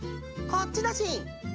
こっちだしん！